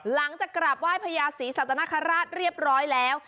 หลังจากกราบไหว้พญาศรีสัตนคราชเรียบร้อยแล้ว